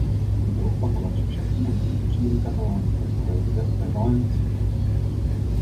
Tyto opakovače však umožňují příjem katalánské televize ve Valencii.